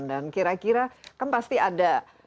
dan kira kira kan pasti ada